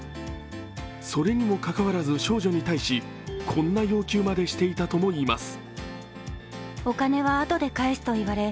それにもかかわらず、少女に対しこんな要求までしていたともいいます。